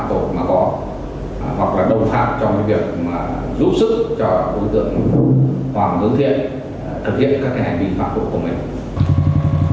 hoặc là đồng phạm trong cái việc mà giúp sức cho tối tượng hoàng hướng thiện thực hiện các cái hành vi phạm tội của mình